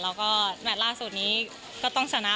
แล้วก็แมทล่าสุดนี้ก็ต้องชนะ